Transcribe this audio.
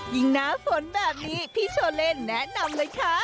หน้าฝนแบบนี้พี่โชเลนแนะนำเลยค่ะ